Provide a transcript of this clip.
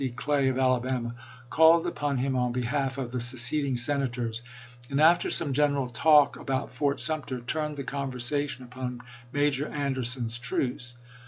Clay, of Alabama, called upon him on behalf of the seceding Senators, and, after some general talk about Fort Sumter, turned the conversation upon Major Anderson's truce.